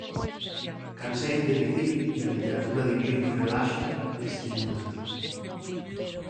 Canseime de dicir que a literatura divirte, relaxa, estimula.